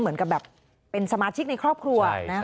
เหมือนกับแบบเป็นสมาชิกในครอบครัวนะครับ